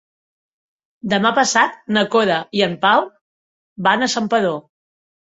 Demà passat na Cora i en Pau van a Santpedor.